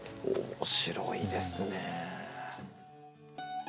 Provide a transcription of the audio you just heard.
面白いですね。